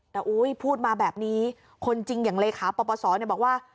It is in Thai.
แต่พูดมาแบบนี้คนจริงอย่างเลขาประสอบบอกว่า